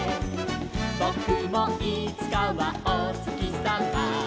「ぼくもいつかはおつきさま」